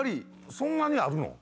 そんなにあるの？